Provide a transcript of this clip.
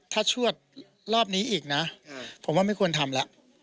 ถ้าชวดรอบนี้อีกนะผมว่าไม่ควรทำแล้ว